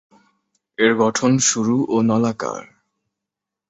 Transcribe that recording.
এর গঠন সরু ও নলাকার।